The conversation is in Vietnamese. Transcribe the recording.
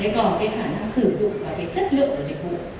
còn cái khả năng sử dụng và cái chất lượng của dịch vụ